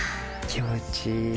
気持ちいい。